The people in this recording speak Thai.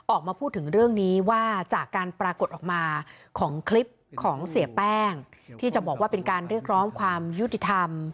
ออกมาพูดถึงเรื่องนี้ว่าจากการปรากฏออกมาของคลิปของเสียแป้งที่จะบอกว่าเป็นการเรียกร้องความยุติธรรม